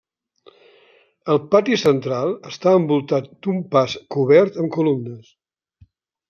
El pati central està envoltat d'un pas cobert amb columnes.